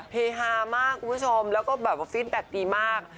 เพฮามากคุณผู้ชมแล้วก็ฟิตแปลกดีมาก